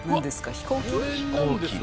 飛行機。